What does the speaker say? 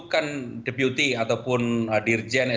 kan deputi ataupun dirjen eselon i tidak boleh masuk